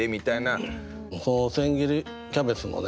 その千切りキャベツのね